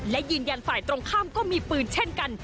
และยืนยันฝ่ายตรงข้ามก็มีปืนเช่นกัน